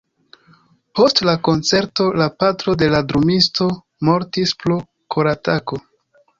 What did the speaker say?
Post la koncerto, la patro de la drumisto mortis pro koratako.